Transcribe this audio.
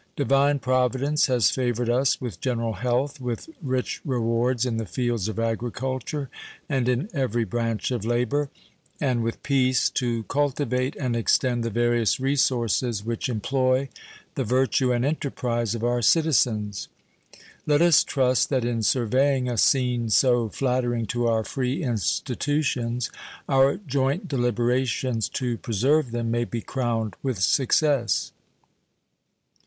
Divine Providence has favored us with general health, with rich rewards in the fields of agriculture and in every branch of labor, and with peace to cultivate and extend the various resources which employ the virtue and enterprise of our citizens. Let us trust that in surveying a scene so flattering to our free institutions our joint deliberations to preserve them may be crowned with success.